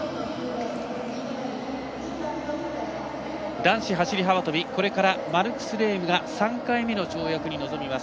男子走り幅跳びこれからマルクス・レームが３回目の跳躍に臨みます。